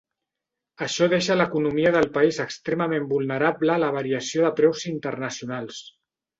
Això deixa l'economia del país extremament vulnerable a la variació de preus internacionals.